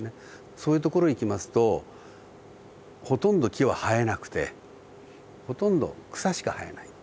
そういう所へ行きますとほとんど木は生えなくてほとんど草しか生えない。